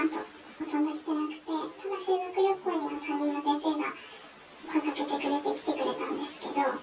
ほとんど来ていなくて、ただ修学旅行には担任の先生が声をかけてくれて来てくれたんです